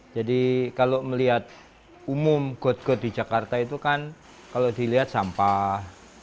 jadi kalau melihat umum got got di jakarta itu kan kalau dilihat sampah